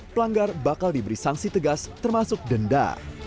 pelanggar bakal diberi sanksi tegas termasuk denda